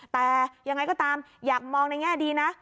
แต่ยังไงก็ตามอยากมองในแง่ดีนะ